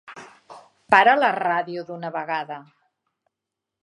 Para la ràdio d'una vegada!